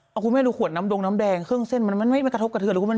เอาคุณแม่ดูขวดน้ำดงน้ำแดงเครื่องเส้นมันไม่กระทบกระเทือนเลยคุณ